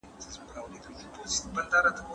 روحي ارامښت په عبادت کي دی.